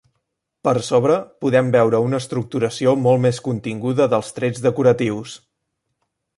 Per sobre, podem veure una estructuració molt més continguda dels trets decoratius.